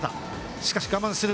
しかし我慢する。